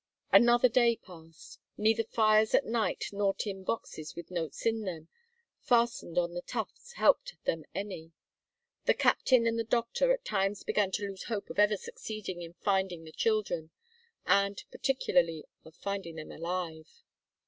Another day passed. Neither fires at night nor tin boxes, with notes in them, fastened on the tufts helped them any. The captain and the doctor at times began to lose hope of ever succeeding in finding the children and, particularly, of finding them alive.